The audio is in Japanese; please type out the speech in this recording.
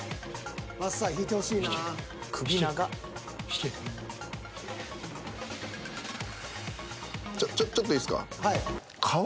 ちょっちょっちょっといいですか。